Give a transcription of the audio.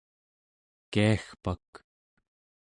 kiagpak